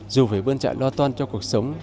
dù phải bơn trại lo toan cho cuộc sống